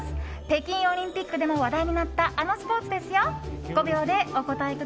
北京オリンピックでも話題になったあのスポーツですよ。